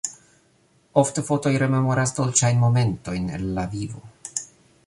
Ofte fotoj rememoras dolĉajn momentojn el la vivo.